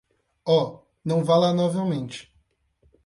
Oh, não vá lá novamente.